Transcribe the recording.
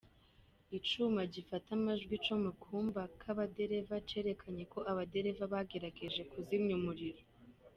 Icuma gifata amajwi co mu kumba k'abadereva cerekanye ko abadereva bagerageje kuzimya umuriro.